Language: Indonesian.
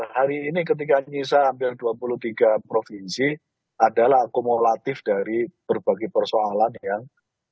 hari ini ketika menyisa hampir dua puluh tiga provinsi adalah akumulatif dari berbagai persoalan yang